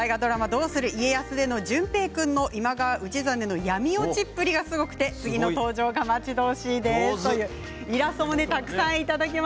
「どうする家康」での淳平君の今川氏真の闇落ちっぷりがすごくて次の登場が待ち遠しいです。